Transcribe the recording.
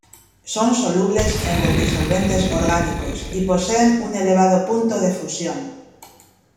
Son solubles en los disolventes orgánicos, y poseen un elevado punto de fusión.